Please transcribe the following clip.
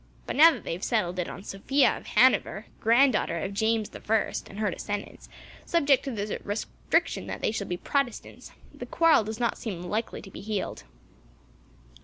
But now that they have settled it on Sophia of Hanover, granddaughter of James the 1st, and her descendants, subject to the restriction that they shall be Protestants, the quarrel does not seem likely to be healed."